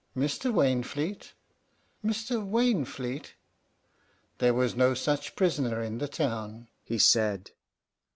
"Mr. Wainfleet! Mr. Wainfleet! There was no such prisoner in the town," he said.